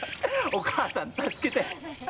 お母さん助けて。